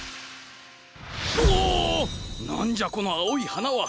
何じゃこの青い花は。